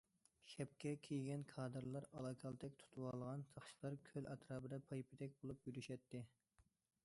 شەپكە كىيگەن كادىرلار، ئالا كالتەك تۇتۇۋالغان ساقچىلار كۆل ئەتراپىدا پايپېتەك بولۇپ يۈرۈشەتتى.